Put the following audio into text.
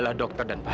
aku mau kemana